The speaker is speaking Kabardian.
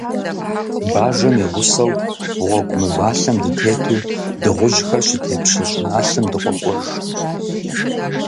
Бажэм и гъусэу, гъуэгу мывалъэм дытету, дыгъужьхэр щытепщэ щӀыналъэм дыкъокӀуэж.